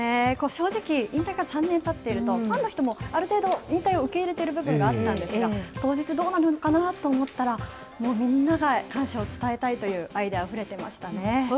正直、引退から３年たってると、ファンの人もある程度、引退を受け入れている部分もあったと思うんですが、当日どうなのかなと思ったら、もうみんなが感謝を伝えたいという愛であふれてましたね。